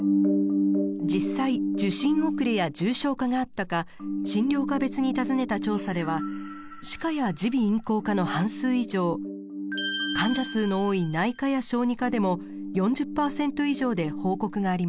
実際受診遅れや重症化があったか診療科別に尋ねた調査では歯科や耳鼻咽喉科の半数以上患者数の多い内科や小児科でも４０％以上で報告がありました。